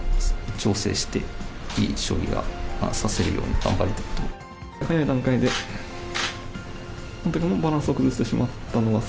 調整して、いい将棋が指せるように頑張りたいと思います。